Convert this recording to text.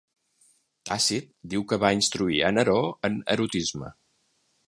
Tàcit diu que va instruir a Neró en erotisme.